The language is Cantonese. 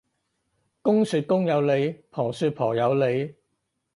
公說公有理，婆說婆有理